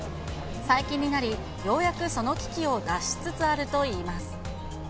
最近になり、ようやくその危機を脱しつつあるといいます。